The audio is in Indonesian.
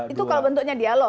itu kalau bentuknya dialog